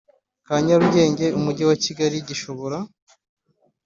Ka nyarugenge umujyi wa kigali gishobora